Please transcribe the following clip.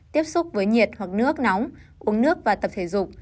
tiếp xúc với nhiệt hoặc nước nóng uống nước và tập thể dục